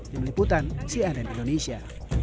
dimaliputan cnn indonesia